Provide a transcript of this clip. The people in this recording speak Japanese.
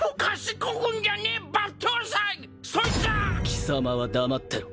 貴様は黙ってろ。